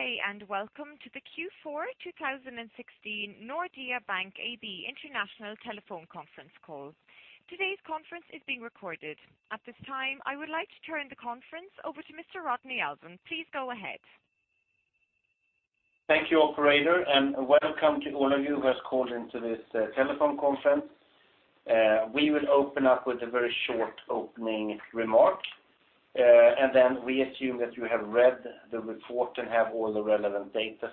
Good day, welcome to the Q4 2016 Nordea Bank AB international telephone conference call. Today's conference is being recorded. At this time, I would like to turn the conference over to Mr. Rodney Alfvén. Please go ahead. Thank you, operator, welcome to all of you who has called into this telephone conference. We will open up with a very short opening remark. Then we assume that you have read the report and have all the relevant data,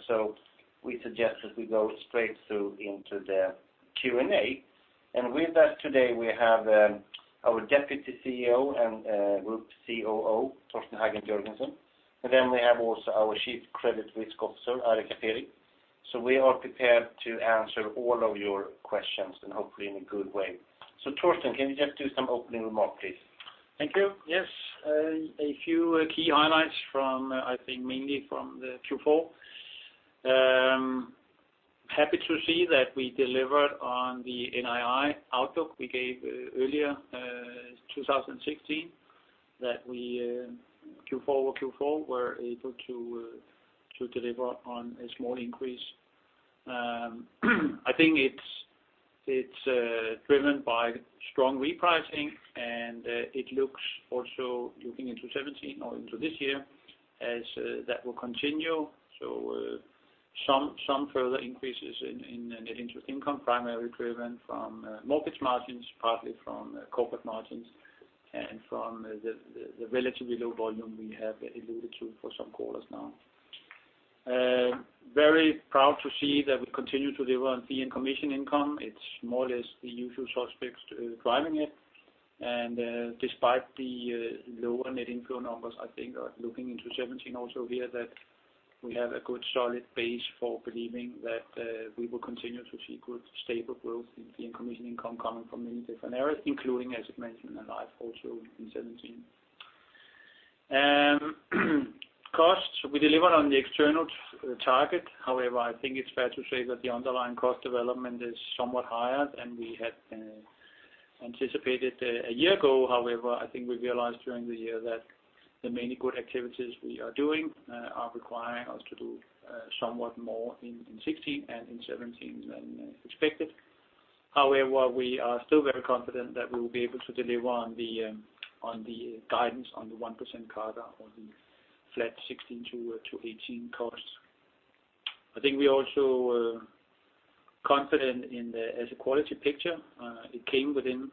we suggest that we go straight through into the Q&A. With that today, we have our Deputy CEO and Group COO, Torsten Hagen Jørgensen. Then we have also our Chief Credit Risk Officer, Ari Kaperi. We are prepared to answer all of your questions and hopefully in a good way. Torsten, can you just do some opening remark, please? Thank you. Yes. A few key highlights from, I think mainly from the Q4. Happy to see that we delivered on the NII outlook we gave earlier 2016, that we Q4 over Q4 were able to deliver on a small increase. I think it's driven by strong repricing, it looks also looking into 2017 or into this year as that will continue. Some further increases in net interest income, primarily driven from mortgage margins, partly from corporate margins, from the relatively low volume we have alluded to for some quarters now. Very proud to see that we continue to deliver on fee and commission income. It's more or less the usual suspects driving it. Despite the lower net inflow numbers, I think looking into 2017 also here that we have a good solid base for believing that we will continue to see good stable growth in fee and commission income coming from many different areas, including, as you mentioned, in life also in 2017. Costs, we delivered on the external target. However, I think it's fair to say that the underlying cost development is somewhat higher than we had anticipated a year ago. However, I think we realized during the year that the many good activities we are doing are requiring us to do somewhat more in 2016 and in 2017 than expected. However, we are still very confident that we will be able to deliver on the guidance on the 1% CAGR or the flat 2016 to 2018 costs. I think we're also confident in the asset quality picture. It came within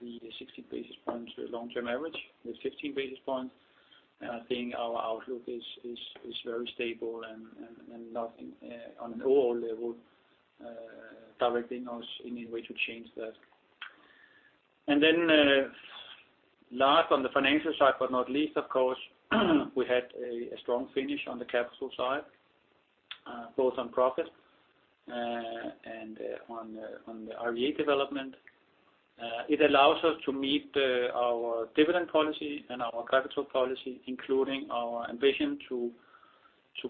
the 60 basis points long-term average with 15 basis points. I think our outlook is very stable and nothing on an overall level directing us any way to change that. Last on the financial side, but not least, of course, we had a strong finish on the capital side, both on profit and on the RWA development. It allows us to meet our dividend policy and our capital policy, including our ambition to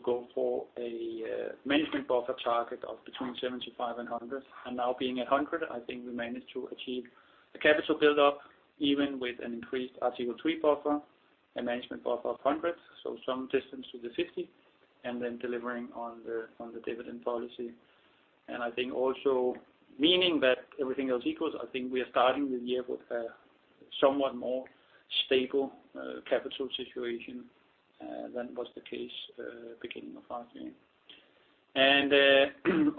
go for a management buffer target of between 75 and 100. Now being at 100, I think we managed to achieve a capital buildup even with an increased Article 3 buffer, a management buffer of 100, so some distance to the 50, and then delivering on the dividend policy. I think also meaning that everything else equals, I think we are starting the year with a somewhat more stable capital situation than was the case beginning of last year.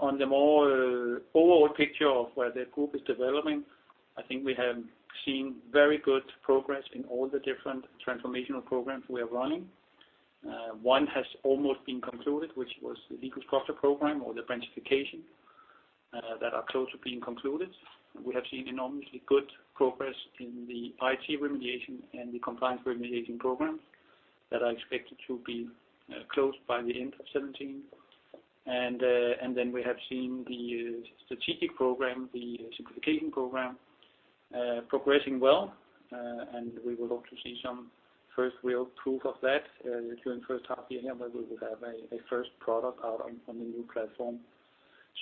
On the more overall picture of where the group is developing, I think we have seen very good progress in all the different transformational programs we are running. One has almost been concluded, which was the legal structure program or the branchification that are close to being concluded. We have seen enormously good progress in the IT remediation and the compliance remediation program that are expected to be closed by the end of 2017. We have seen the strategic program, the simplification program progressing well, and we would hope to see some first real proof of that during the first half year, where we will have a first product out on the new platform.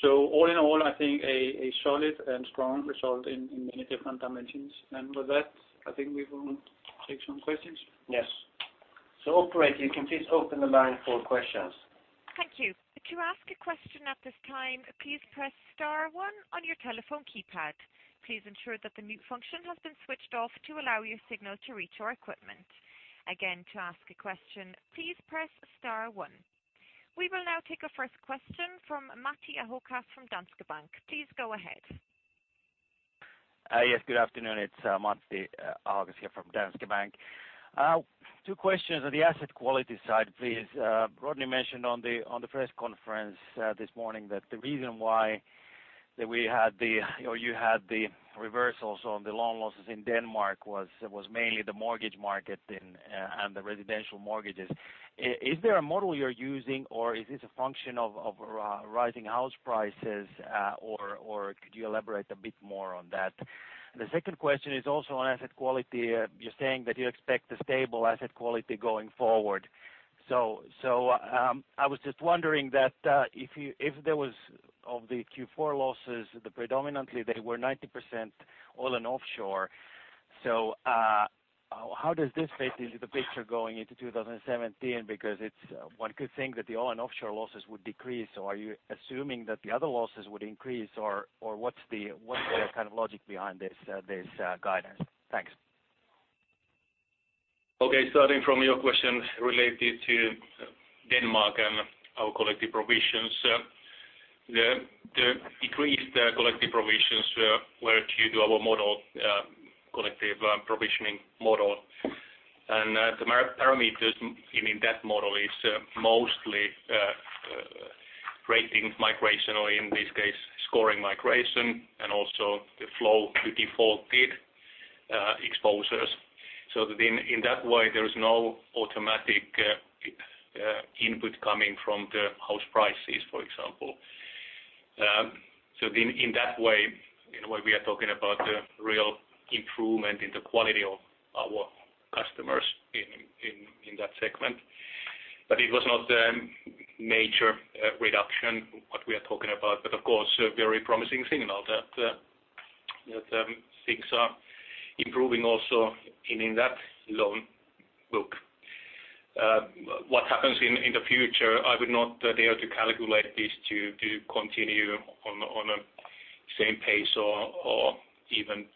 All in all, I think a solid and strong result in many different dimensions. With that, I think we will take some questions. Yes. Operator, you can please open the line for questions. Thank you. To ask a question at this time, please press star one on your telephone keypad. Please ensure that the mute function has been switched off to allow your signal to reach our equipment. Again, to ask a question, please press star one. We will now take a first question from Matti Ahokas from Danske Bank. Please go ahead. Yes, good afternoon. It's Matti Ahokas here from Danske Bank. Two questions on the asset quality side, please. Rodney mentioned on the press conference this morning that the reason why you had the reversals on the loan losses in Denmark was mainly the mortgage market and the residential mortgages. Is there a model you're using, or is this a function of rising house prices, or could you elaborate a bit more on that? The second question is also on asset quality. You're saying that you expect a stable asset quality going forward. I was just wondering that if there was of the Q4 losses, predominantly they were 90% oil and offshore. How does this fit into the picture going into 2017? One could think that the oil and offshore losses would decrease, are you assuming that the other losses would increase or what's the kind of logic behind this guidance? Thanks. Okay, starting from your question related to Denmark and our collective provisions. The decreased collective provisions were due to our collective provisioning model. The parameters in that model is mostly ratings migration, or in this case, scoring migration and also the flow to defaulted exposures. In that way, there is no automatic input coming from the house prices, for example. In that way, we are talking about the real improvement in the quality of our customers in that segment. It was not a major reduction, what we are talking about. Of course, a very promising signal that things are improving also in that loan book. What happens in the future, I would not dare to calculate this to continue on a same pace or even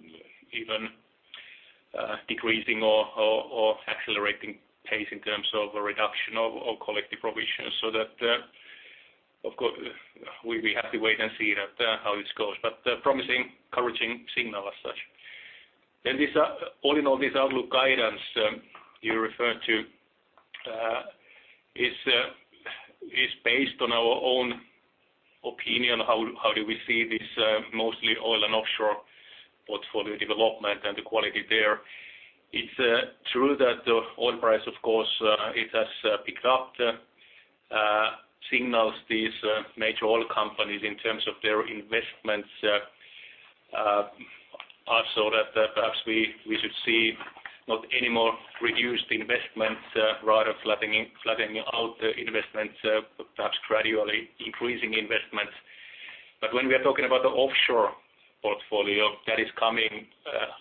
decreasing or accelerating pace in terms of a reduction of collective provisions. We have to wait and see how this goes. Promising, encouraging signal as such. All in all, this outlook guidance you referred to is based on our own opinion, how do we see this mostly oil and offshore portfolio development and the quality there. It's true that the oil price, of course, it has picked up. Signals these major oil companies in terms of their investments are so that perhaps we should see not any more reduced investments, rather flattening out investments, perhaps gradually increasing investments. When we're talking about the offshore portfolio, that is coming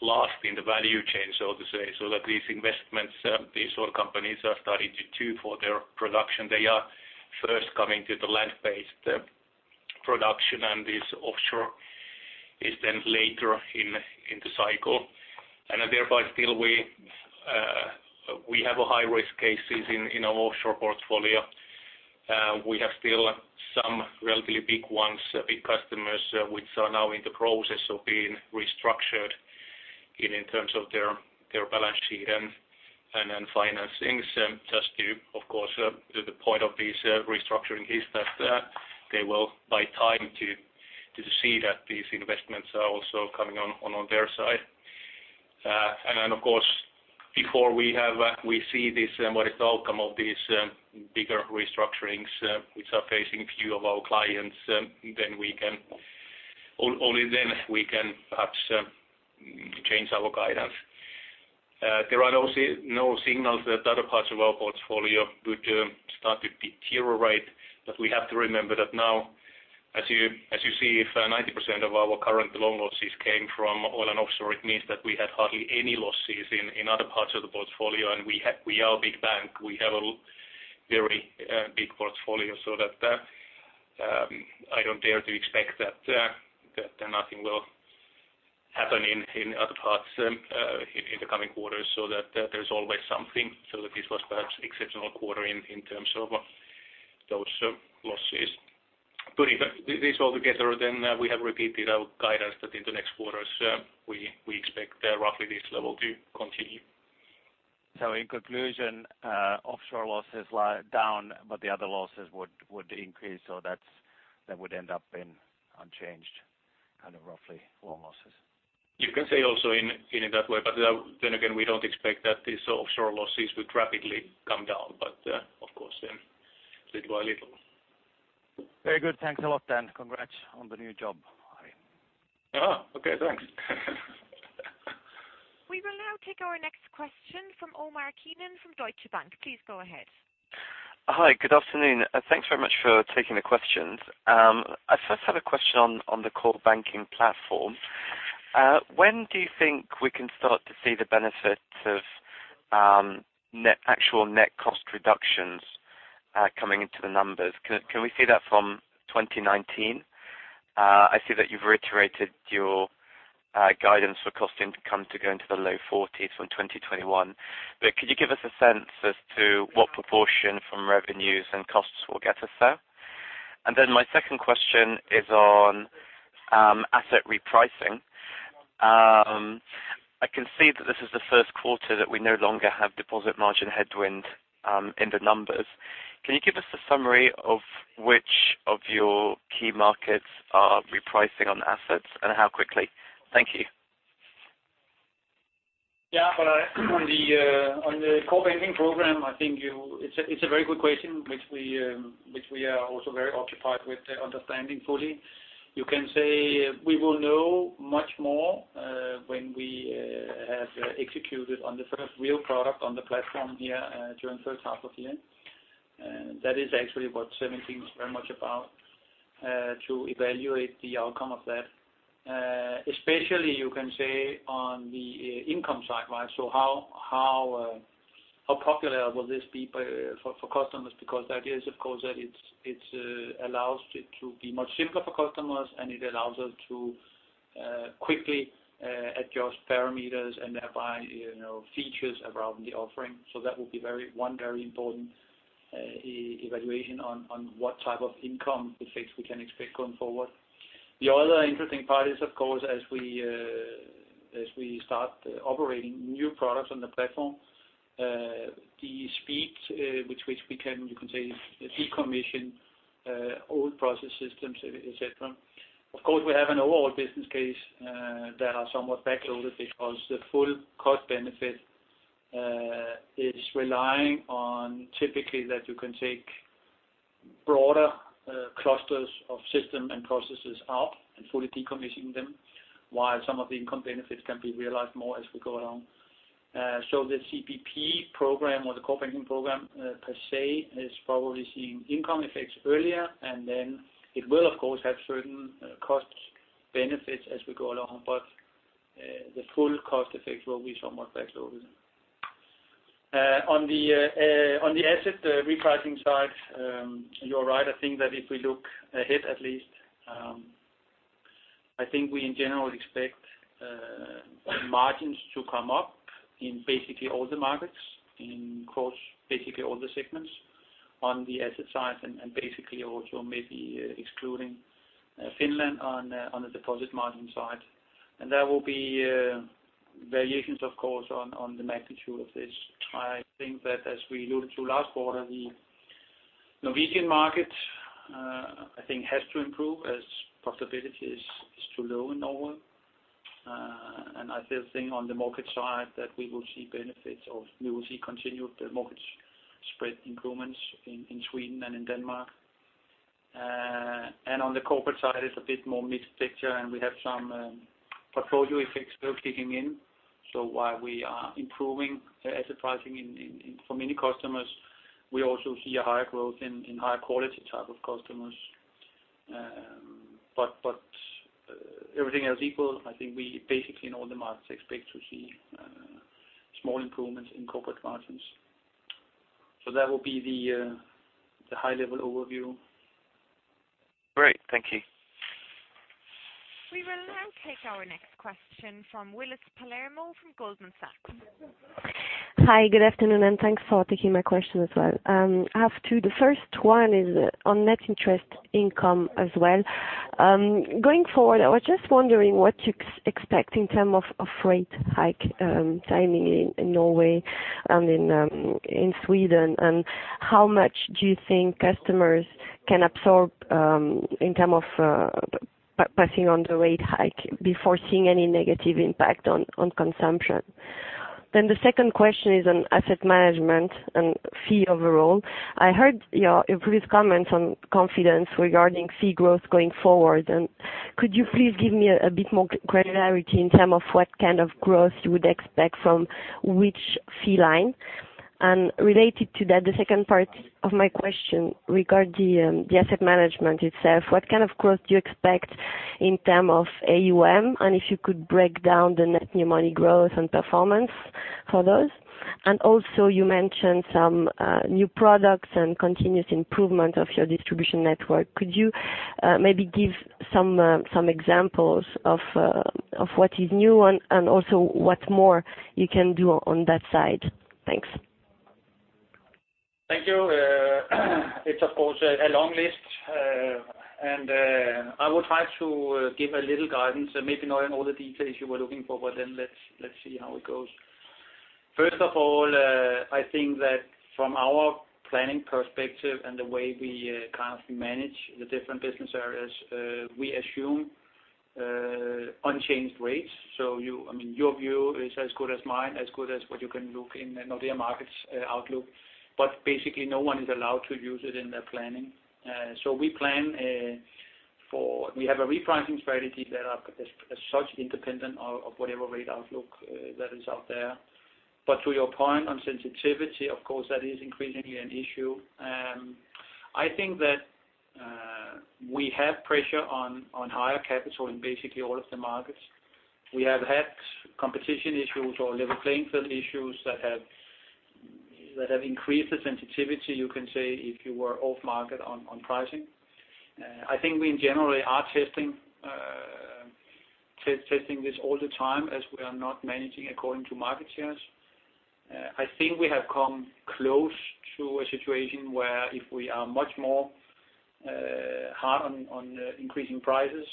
last in the value chain, so to say. These investments these oil companies are starting to do for their production. They are first coming to the land-based production, and this offshore is later in the cycle. Thereby still we have a high-risk cases in our offshore portfolio. We have still some relatively big ones, big customers, which are now in the process of being restructured in terms of their balance sheet and financings. The point of these restructuring is that they will buy time to see that these investments are also coming on their side. Before we see what is the outcome of these bigger restructurings which are facing few of our clients, only then we can perhaps change our guidance. There are no signals that other parts of our portfolio would start to deteriorate, but we have to remember that now, as you see, if 90% of our current loan losses came from oil and offshore, it means that we had hardly any losses in other parts of the portfolio. We are a big bank. We have a very big portfolio. I don't dare to expect that nothing will happen in other parts in the coming quarters, so that there's always something. This was perhaps exceptional quarter in terms of those losses. Putting this all together, we have repeated our guidance that in the next quarters we expect roughly this level to continue. In conclusion, offshore losses are down, but the other losses would increase. That would end up in unchanged, kind of roughly, loan losses. You can say also in that way, but then again, we don't expect that these offshore losses would rapidly come down, but of course, little by little. Very good. Thanks a lot then. Congrats on the new job, Ari. Okay, thanks. We will now take our next question from Omar Keenan from Deutsche Bank. Please go ahead. Hi, good afternoon. Thanks very much for taking the questions. I first have a question on the Core Banking Program. When do you think we can start to see the benefits of actual net cost reductions coming into the numbers? Can we see that from 2019? I see that you've reiterated your guidance for cost income to go into the low 40s from 2021. Could you give us a sense as to what proportion from revenues and costs will get us there? My second question is on asset repricing. I can see that this is the first quarter that we no longer have deposit margin headwind in the numbers. Can you give us a summary of which of your key markets are repricing on assets and how quickly? Thank you. Yeah. On the Core Banking Program, I think it's a very good question, which we are also very occupied with understanding fully. You can say we will know much more when we have executed on the first real product on the platform here during the first half of the year. That is actually what 2017 is very much about, to evaluate the outcome of that. Especially, you can say, on the income side. How popular will this be for customers? Because the idea is, of course, that it allows it to be much simpler for customers, and it allows us to quickly adjust parameters and thereby, features around the offering. That will be one very important evaluation on what type of income effects we can expect going forward. The other interesting part is, of course, as we start operating new products on the platform, the speed with which we can decommission old process systems, et cetera. Of course, we have an overall business case that are somewhat backloaded because the full cost benefit is relying on typically that you can take broader clusters of system and processes out and fully decommission them, while some of the income benefits can be realized more as we go along. The CBP program or the Core Banking Program per se is probably seeing income effects earlier, and then it will, of course, have certain cost benefits as we go along. The full cost effect will be somewhat backloaded. On the asset repricing side, you're right. I think that if we look ahead at least, I think we, in general, expect margins to come up in basically all the markets, in basically all the segments on the asset side and basically also maybe excluding Finland on the deposit margin side. There will be variations, of course, on the magnitude of this. I think that as we alluded to last quarter, the Norwegian market I think has to improve as profitability is too low in Norway. I still think on the mortgage side that we will see continued mortgage spread improvements in Sweden and in Denmark. On the corporate side, it's a bit more mixed picture, and we have some portfolio effects still kicking in. While we are improving asset pricing for many customers, we also see a higher growth in higher quality type of customers. everything else equal, I think we basically in all the markets expect to see small improvements in corporate margins. That will be the high-level overview. Great. Thank you. We will now take our next question from Willis Palermo from Goldman Sachs. Hi, good afternoon, thanks for taking my question as well. I have two. The first one is on net interest income as well. Going forward, I was just wondering what you expect in term of a rate hike timing in Norway and in Sweden, how much do you think customers can absorb in term of passing on the rate hike before seeing any negative impact on consumption? The second question is on asset management and fee overall. I heard your previous comments on confidence regarding fee growth going forward, could you please give me a bit more granularity in term of what kind of growth you would expect from which fee line? Related to that, the second part of my question regard the asset management itself. What kind of growth do you expect in terms of AUM, if you could break down the net new money growth and performance for those? Also, you mentioned some new products and continuous improvement of your distribution network. Could you maybe give some examples of what is new and also what more you can do on that side? Thanks. Thank you. It's of course a long list, I will try to give a little guidance, maybe not in all the details you were looking for, let's see how it goes. First of all, I think that from our planning perspective and the way we currently manage the different business areas, we assume unchanged rates. Your view is as good as mine, as good as what you can look in Nordea Markets outlook. Basically, no one is allowed to use it in their planning. We have a repricing strategy that as such independent of whatever rate outlook that is out there. To your point on sensitivity, of course, that is increasingly an issue. I think that we have pressure on higher capital in basically all of the markets. We have had competition issues or level playing field issues that have increased the sensitivity, you can say, if you were off market on pricing. I think we generally are testing this all the time as we are not managing according to market shares. I think we have come close to a situation where if we are much more hard on increasing prices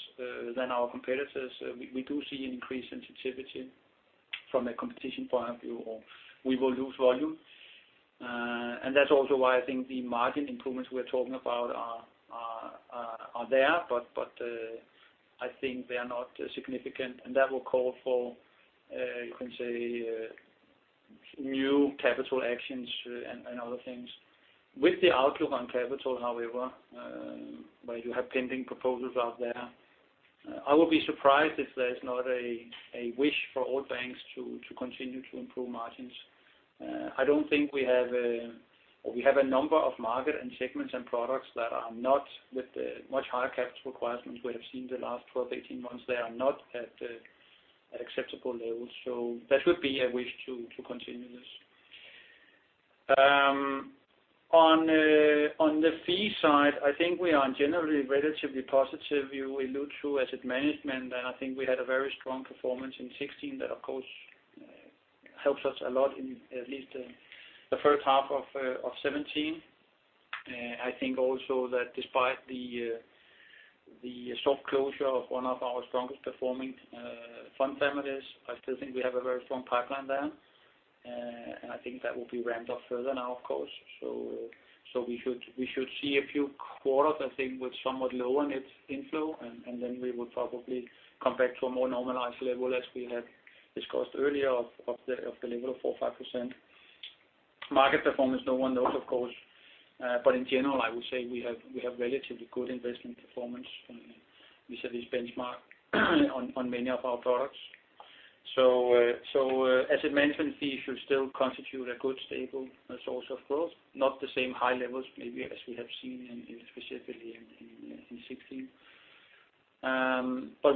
than our competitors, we do see an increased sensitivity from a competition point of view or we will lose volume. That's also why I think the margin improvements we're talking about are there, I think they are not significant, that will call for, you can say, new capital actions and other things. With the outlook on capital, however, where you have pending proposals out there I will be surprised if there's not a wish for all banks to continue to improve margins. We have a number of market and segments and products that are not with the much higher capital requirements we have seen the last 12 to 18 months. They are not at acceptable levels. That would be a wish to continue this. On the fee side, I think we are generally relatively positive. We look through asset management, I think we had a very strong performance in 2016 that, of course, helps us a lot in at least the first half of 2017. I think also that despite the soft closure of one of our strongest performing fund families, I still think we have a very strong pipeline there. I think that will be ramped up further now, of course. We should see a few quarters, I think, with somewhat lower net inflow, and then we will probably come back to a more normalized level as we have discussed earlier, of the level of 4% or 5%. Market performance, no one knows, of course. In general, I would say we have relatively good investment performance vis-a-vis benchmark on many of our products. Asset management fees should still constitute a good, stable source of growth. Not the same high levels maybe as we have seen specifically in 2016.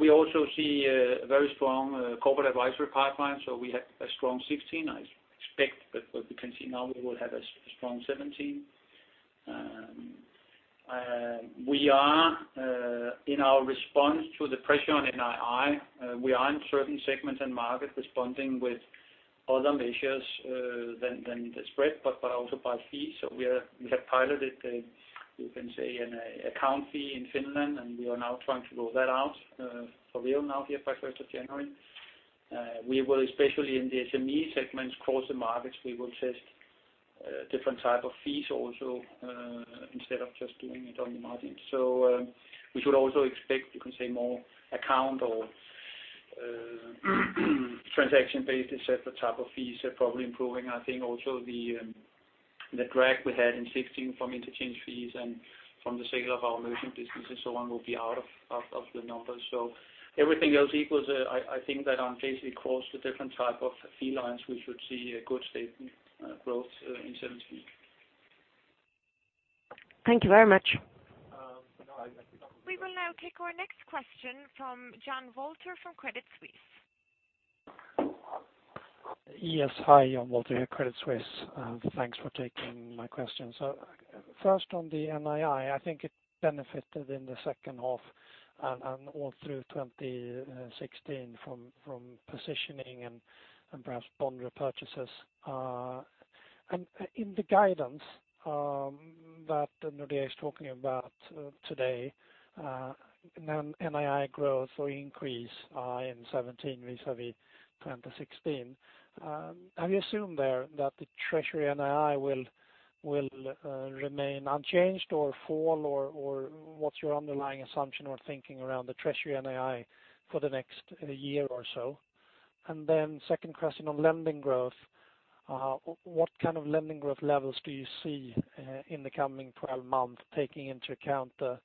We also see a very strong corporate advisory pipeline, so we had a strong 2016. I expect that what we can see now, we will have a strong 2017. In our response to the pressure on NII, we are in certain segments and markets responding with other measures than the spread but also by fees. We have piloted, you can say, an account fee in Finland, and we are now trying to roll that out for real now here by 1st of January. We will, especially in the SME segments across the markets, we will test different type of fees also, instead of just doing it on the margin. We should also expect, you can say, more account or transaction-based etc. type of fees are probably improving. I think also the drag we had in 2016 from interchange fees and from the sale of our merchant businesses so on will be out of the numbers. Everything else equals, I think that on basic across the different type of fee lines, we should see a good, stable growth in 2017. Thank you very much. No. I think that was it. We will now take our next question from Jan Walter from Credit Suisse. Yes. Hi, Jan Walter here, Credit Suisse. Thanks for taking my question. First on the NII, I think it benefited in the second half and all through 2016 from positioning and perhaps bond repurchases. In the guidance that Nordea is talking about today, NII growth or increase in 2017 vis-a-vis 2016. Have you assumed there that the treasury NII will remain unchanged or fall, or what's your underlying assumption or thinking around the treasury NII for the next year or so? Second question on lending growth. What kind of lending growth levels do you see in the coming 12 months, taking into account the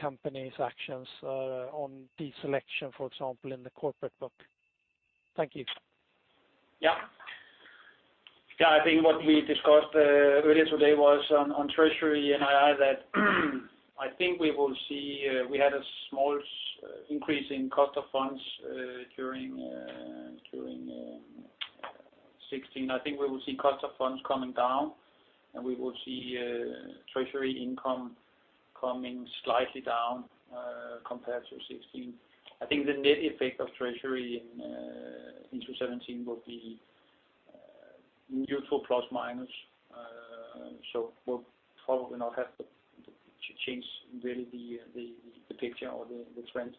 company's actions on deselection, for example, in the corporate book? Thank you. Yeah. I think what we discussed earlier today was on treasury NII that I think we had a small increase in cost of funds during 2016. I think we will see cost of funds coming down, and we will see treasury income coming slightly down compared to 2016. I think the net effect of treasury into 2017 will be neutral, plus, minus. We'll probably not have to change really the picture or the trend.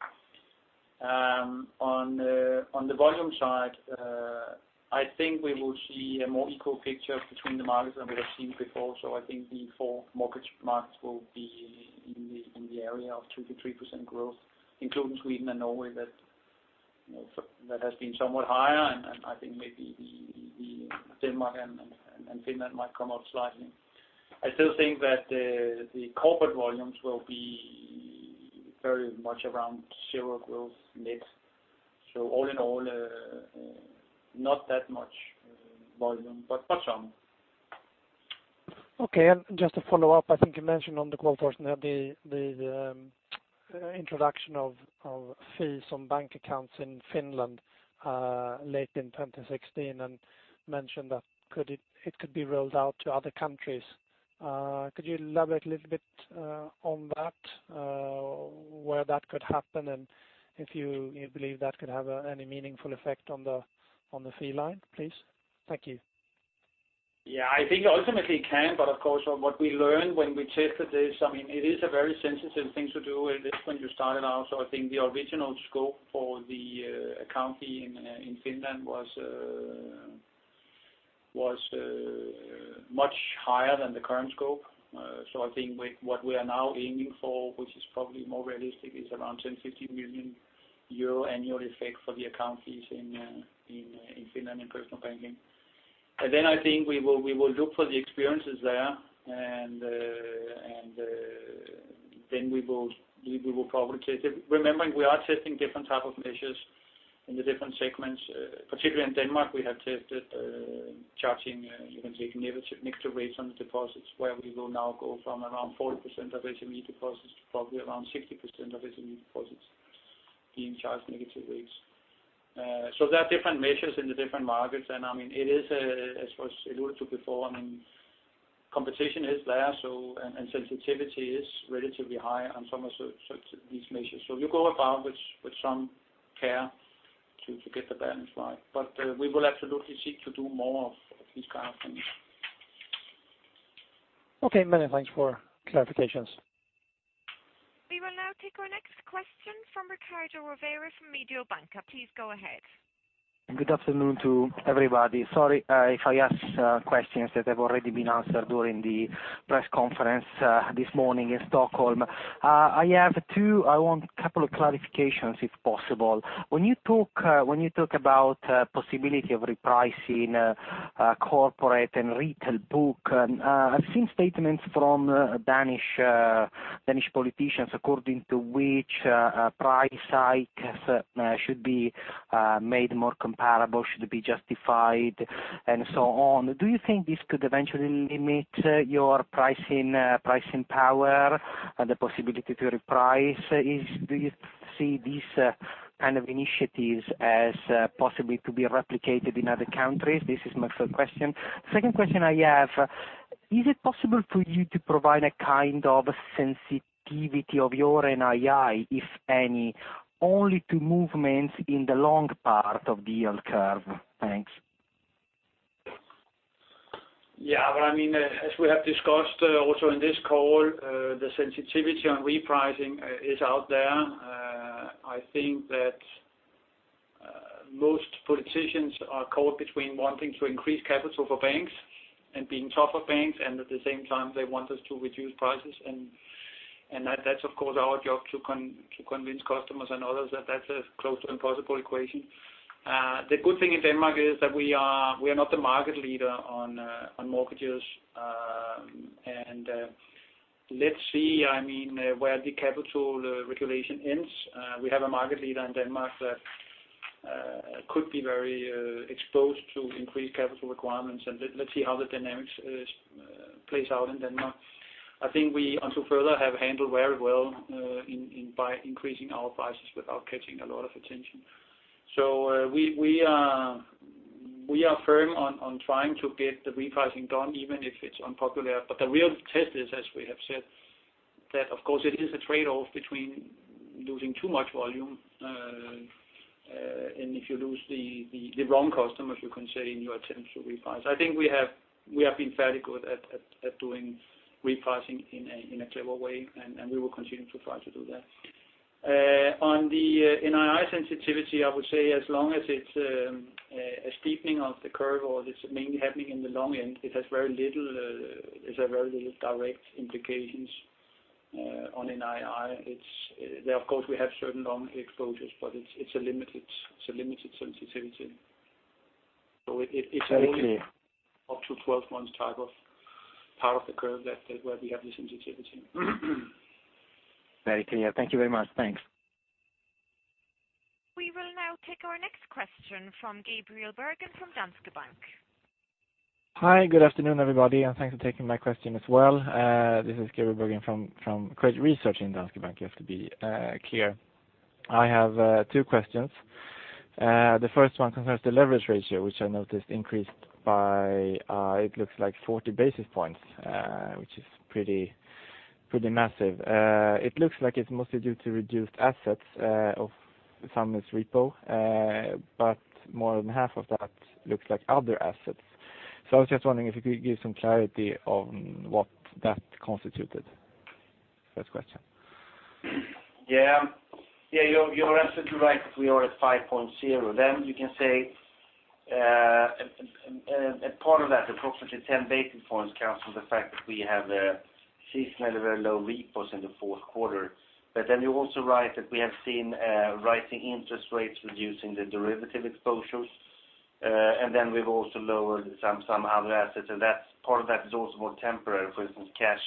On the volume side, I think we will see a more equal picture between the markets than we have seen before. I think the four mortgage markets will be in the area of 2%-3% growth, including Sweden and Norway. That has been somewhat higher, and I think maybe Denmark and Finland might come out slightly. I still think that the corporate volumes will be very much around zero growth net. All in all, not that much volume, but some. Okay. Just to follow up, I think you mentioned on the call, Torsten, the introduction of fees on bank accounts in Finland late in 2016 and mentioned that it could be rolled out to other countries. Could you elaborate a little bit on that, where that could happen, and if you believe that could have any meaningful effect on the fee line, please? Thank you. Yeah. I think ultimately it can, of course, what we learned when we tested this, it is a very sensitive thing to do, at least when you start it out. I think the original scope for the account fee in Finland was much higher than the current scope. I think what we are now aiming for, which is probably more realistic, is around 10 million-15 million euro annual effect for the account fees in Finland, in personal banking. Then I think we will look for the experiences there, and then we will probably test it. Remembering we are testing different type of measures in the different segments. Particularly in Denmark, we have tested charging negative rates on the deposits where we will now go from around 40% of SME deposits to probably around 60% of SME deposits being charged negative rates. There are different measures in the different markets and it is, as was alluded to before, competition is there, and sensitivity is relatively high on some of these measures. You go about with some care to get the balance right. We will absolutely seek to do more of these kind of things. Okay. Many thanks for clarifications. We will now take our next question from Riccardo Rovere from Mediobanca. Please go ahead. Good afternoon to everybody. Sorry if I ask questions that have already been answered during the press conference this morning in Stockholm. I have two. I want a couple of clarifications if possible. When you talk about possibility of repricing corporate and retail book, I've seen statements from Danish politicians according to which price hike should be made more comparable, should be justified, and so on. Do you think this could eventually limit your pricing power and the possibility to reprice? Do you see these kind of initiatives as possibly to be replicated in other countries? This is my third question. Second question I have, is it possible for you to provide a kind of sensitivity of your NII, if any, only to movements in the long part of the yield curve? Thanks. Yeah. As we have discussed also in this call, the sensitivity on repricing is out there. I think that most politicians are caught between wanting to increase capital for banks and being tough on banks, at the same time, they want us to reduce prices. That's of course our job to convince customers and others that's a close to impossible equation. The good thing in Denmark is that we are not the market leader on mortgages. Let's see where the capital regulation ends. We have a market leader in Denmark that could be very exposed to increased capital requirements, and let's see how the dynamics plays out in Denmark. I think we until further have handled very well by increasing our prices without catching a lot of attention. We are firm on trying to get the repricing done even if it's unpopular. The real test is, as we have said, that of course it is a trade-off between losing too much volume, and if you lose the wrong customers, you can say in your attempt to reprice. I think we have been fairly good at doing repricing in a clever way, and we will continue to try to do that. On the NII sensitivity, I would say as long as it's a steepening of the curve or it's mainly happening in the long end, it has very little direct implications on NII. Of course, we have certain long exposures, but it's a limited sensitivity. Very clear. It's only up to 12 months type of part of the curve that where we have the sensitivity. Very clear. Thank you very much. Thanks. We will now take our next question from Gabriel Bergin from Danske Bank. Hi. Good afternoon, everybody, and thanks for taking my question as well. This is Gabriel Bergin from Credit Research in Danske Bank, you have to be clear. I have two questions. The first one concerns the leverage ratio, which I noticed increased by it looks like 40 basis points, which is pretty massive. It looks like it's mostly due to reduced assets of some is repo, but more than half of that looks like other assets. I was just wondering if you could give some clarity on what that constituted. First question. Yeah. You're absolutely right that we are at 5.0. You can say a part of that, approximately 10 basis points comes from the fact that we have seasonally very low repos in the fourth quarter. You're also right that we have seen rising interest rates reducing the derivative exposures. We've also lowered some other assets, and that part of that is also more temporary, for instance, cash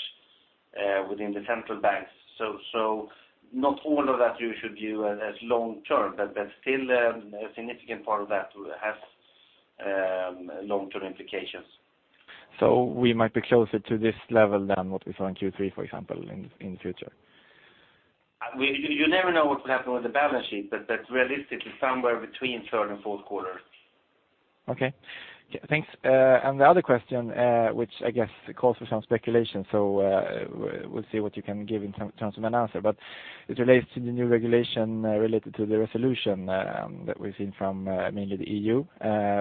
within the central banks. Not all of that you should view as long-term, but still a significant part of that has long-term implications. We might be closer to this level than what we saw in Q3, for example, in the future. You never know what will happen with the balance sheet, but realistically somewhere between third and fourth quarter. Okay. Thanks. The other question, which I guess calls for some speculation, we'll see what you can give in terms of an answer. It relates to the new regulation related to the resolution that we've seen from mainly the EU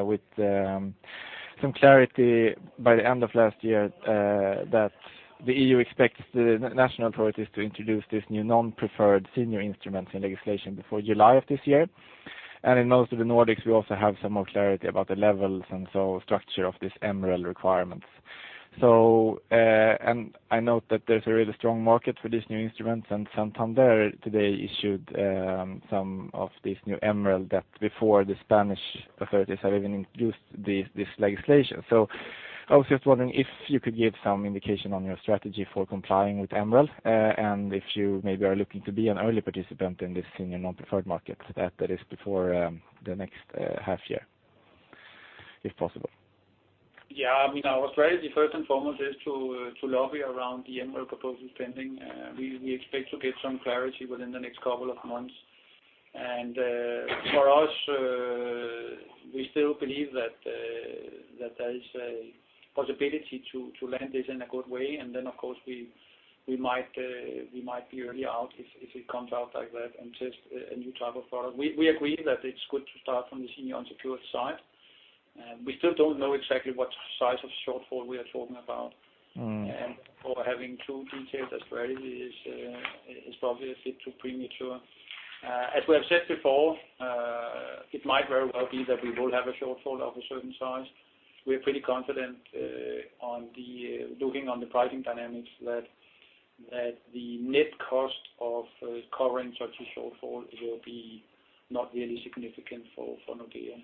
with some clarity by the end of last year that the EU expects the national authorities to introduce these new senior non-preferred instruments in legislation before July of this year. In most of the Nordics, we also have some more clarity about the levels and structure of this MREL requirements. I note that there's a really strong market for these new instruments, and Santander today issued some of these new MREL that before the Spanish authorities have even introduced this legislation. I was just wondering if you could give some indication on your strategy for complying with MREL, and if you maybe are looking to be an early participant in this senior non-preferred market that is before the next half-year, if possible. Yeah. Our strategy first and foremost is to lobby around the MREL proposal pending. We expect to get some clarity within the next couple of months. For us, we still believe that there is a possibility to land this in a good way, and then, of course, we might be early out if it comes out like that and test a new type of product. We agree that it's good to start from the senior unsecured side. We still don't know exactly what size of shortfall we are talking about. For having too detailed a strategy is obviously too premature. As we have said before, it might very well be that we will have a shortfall of a certain size. We're pretty confident looking on the pricing dynamics that the net cost of covering such a shortfall will be not really significant for Nordea.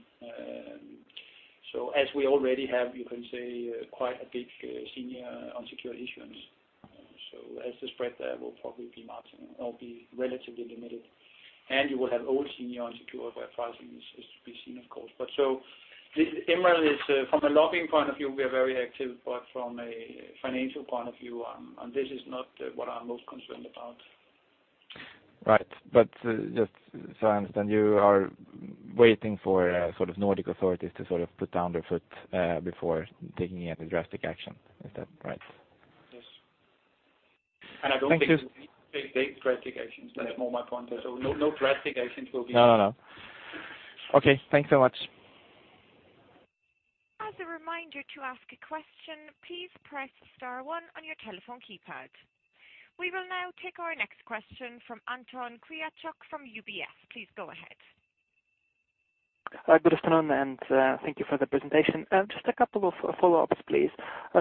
As we already have, you can say, quite a big senior unsecured issuance. As the spread there will probably be marginal or be relatively limited, and you will have all senior unsecured where pricing is to be seen, of course. MREL is, from a lobbying point of view, we are very active, but from a financial point of view, this is not what I'm most concerned about. Right. Just so I understand, you are waiting for Nordic authorities to put down their foot before taking any drastic action. Is that right? Yes. Thank you. I don't think we need to take drastic actions. That's more my point there. No. Okay. Thanks so much. As a reminder, to ask a question, please press star one on your telephone keypad. We will now take our next question from Anton Kryachok from UBS. Please go ahead. Good afternoon. Thank you for the presentation. Just a couple of follow-ups, please.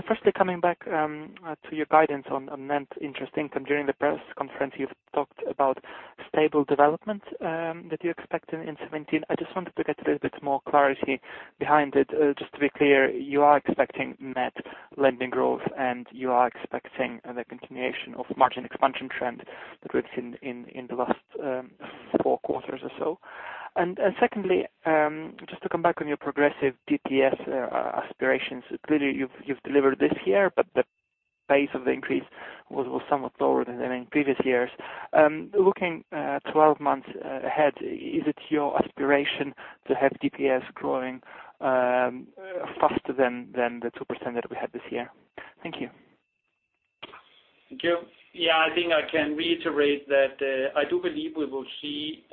Firstly, coming back to your guidance on net interest income during the press conference, you've talked about stable development that you're expecting in 2017. I just wanted to get a little bit more clarity behind it. Just to be clear, you are expecting net lending growth, and you are expecting the continuation of margin expansion trend that we've seen in the last four quarters or so? Secondly, just to come back on your progressive DPS aspirations. Clearly, you've delivered this year, but the pace of the increase was somewhat lower than in previous years. Looking 12 months ahead, is it your aspiration to have DPS growing faster than the 2% that we had this year? Thank you. Thank you. I think I can reiterate that I do believe we will see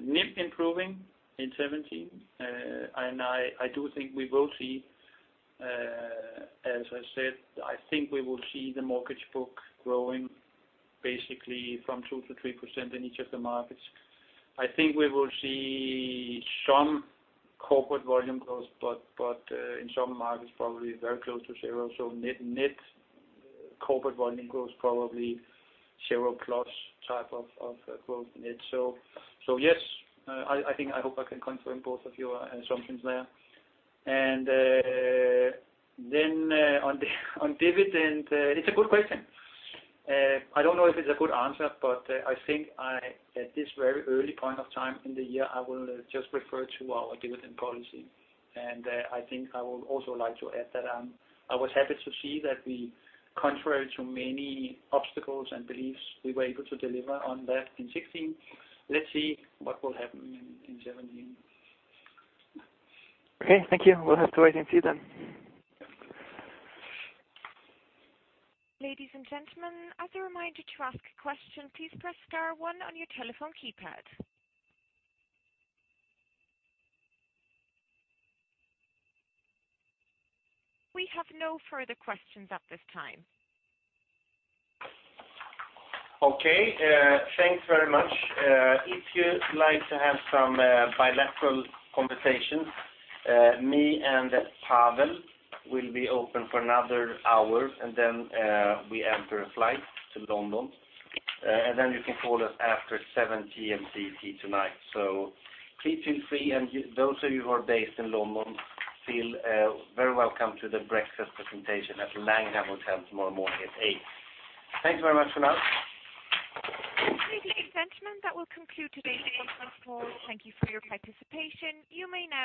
NIM improving in 2017. I do think we will see, as I said, I think we will see the mortgage book growing basically from 2%-3% in each of the markets. I think we will see some corporate volume growth but in some markets probably very close to zero, net corporate volume growth probably zero plus type of growth in it. Yes, I think I hope I can confirm both of your assumptions there. Then on dividend, it's a good question. I don't know if it's a good answer, but I think at this very early point of time in the year, I will just refer to our dividend policy. I think I would also like to add that I was happy to see that we, contrary to many obstacles and beliefs, we were able to deliver on that in 2016. Let's see what will happen in 2017. Okay, thank you. We'll have to wait and see then. Ladies and gentlemen, as a reminder to ask a question, please press star one on your telephone keypad. We have no further questions at this time. Okay. Thanks very much. If you'd like to have some bilateral conversations, me and Pavel will be open for another hour. Then we enter a flight to London. Then you can call us after 7:00 P.M. CET tonight. Feel free, and those of you who are based in London, feel very welcome to the breakfast presentation at Langham Hotel tomorrow morning at 8:00 A.M. Thanks very much for now. Ladies and gentlemen, that will conclude today's conference call. Thank you for your participation. You may now disconnect.